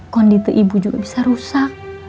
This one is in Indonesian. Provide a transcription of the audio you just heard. kondisi ibu juga bisa rusak